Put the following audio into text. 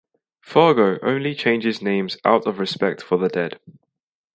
Fargo only changes names out of respect for the dead.